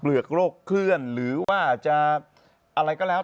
เหลือกโรคเคลื่อนหรือว่าจะอะไรก็แล้ว